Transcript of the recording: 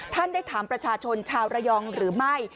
ท่านได้ถามประชาชนชาวระยองหรือไม่